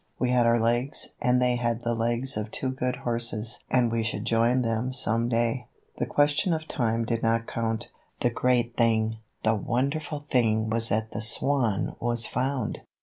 We had our legs and they had the legs of two good horses and we should join them some day. The question of time did not count. The great thing, the wonderful thing was that the Swan was found!